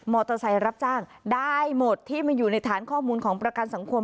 มอเตอร์ไซร์รับจ้างได้หมดที่ไม่อยู่ในฐานข้อมูลของประกันสังคม